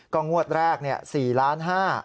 กลางงวดแรก๔๕๐๐๐๐๐บาท